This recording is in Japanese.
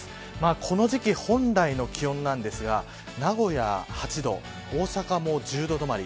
この時期本来の気温なんですが名古屋は８度大阪も１０度止まり